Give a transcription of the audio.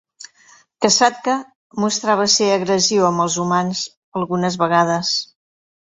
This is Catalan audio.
Kasatka mostrava ser agressiu amb els humans algunes vegades.